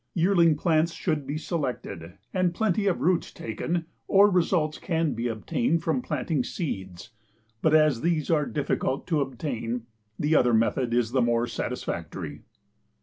Yearling plants should be selected and plenty of roots taken or results can be obtained from planting seeds, but as these are difficult to obtain, the other method is the more satisfactory.